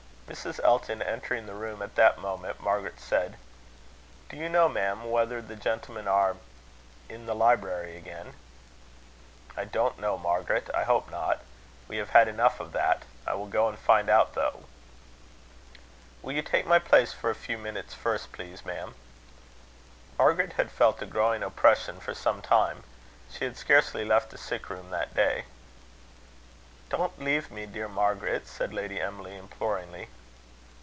Mrs. Elton entering the room at the moment, Margaret said: "Do you know, ma'am, whether the gentlemen are in the library again?" "I don't know, Margaret. I hope not. We have had enough of that. I will go and find out, though." "Will you take my place for a few minutes first, please, ma'am?" Margaret had felt a growing oppression for some time. She had scarcely left the sick room that day. "Don't leave me, dear Margaret," said Lady Emily, imploringly.